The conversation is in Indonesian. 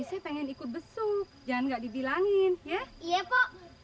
tapi pengen ikut beksuk jangan gak dibilangin ya ya erpe